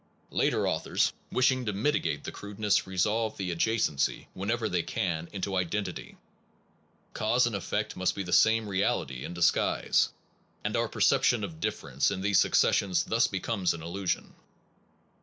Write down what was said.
Later authors, wishing to 85 SOME PROBLEMS OF PHILOSOPHY mitigate the crudeness, resolve the adjacency, whenever they can, into identity: cause and effect must be the same reality in disguise, and our perception of difference in these successions thus becomes an illusion.